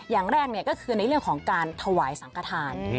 อย่างแรกก็คือในเรื่องของการถวายสังกฐาน